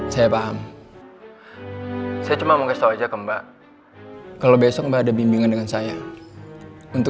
saya paham saya cuma mau kasih tau aja ke mbak kalau besok mbak ada bimbingan dengan saya untuk